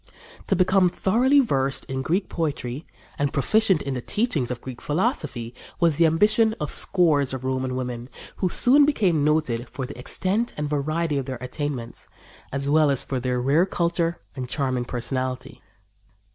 To become thoroughly versed in Greek poetry and proficient in the teachings of Greek philosophy was the ambition of scores of Roman women, who soon became noted for the extent and variety of their attainments, as well as for their rare culture and charming personality.